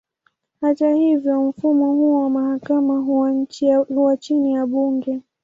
Hata hivyo, mfumo huo wa mahakama huwa chini ya bunge.